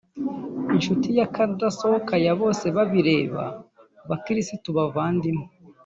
inshuti y'akadasohoka ya bosebabireba bakirisitu bavandimwe